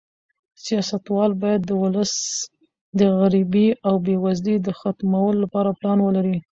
سیاستوال باید د ولس د غریبۍ او بې وزلۍ د ختمولو لپاره پلان ولري.